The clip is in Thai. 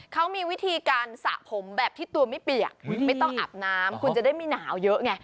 เขามีวิธีการสระผมแบบที่ตัวไม่เปียกไม่ต้องอาบน้ำคุณจะได้ไม่หนาวเยอะไง